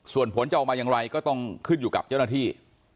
ส่วนผลจะออกมาอย่างไรก็ต้องขึ้นอยู่กับเจ้าหน้าที่